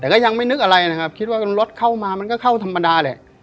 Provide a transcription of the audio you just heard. แต่ก็ยังไม่นึกอะไรนะครับคิดว่ารถเข้ามามันก็เข้าธรรมดาแหละ